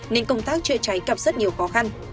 nên công tác chữa cháy gặp rất nhiều khó khăn